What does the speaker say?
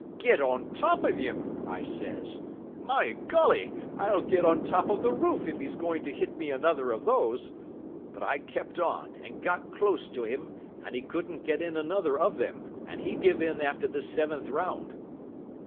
'Get on top of him? I says. 'My Golly, I'll get on top of the roof if he's going to hit me another of those.' But I kept on, and got close to him, and he couldn't get in another of them, and he give in after the seventh round."